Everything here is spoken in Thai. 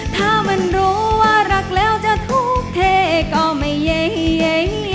ถ้ามันรู้ว่ารักแล้วจะทุกข์เท่ก็ไม่เย้